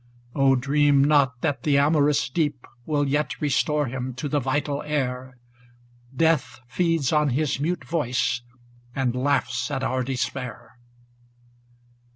Oh, dream not that the amor ous Deep Will yet restore him to the vital air; Death feeds on his mute voice, and laughs at our despair.